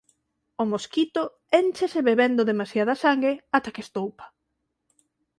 O mosquito énchese bebendo demasiada sangue ata que estoupa.